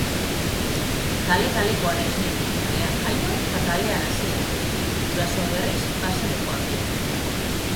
Kale-kalekoa naiz ni, kalean jaio eta kalean hazia; gurasoak, berriz, baserrikoak biak.